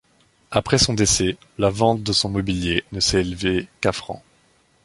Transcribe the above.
Après son décès, la vente de son mobilier ne s'est élevée qu'à francs.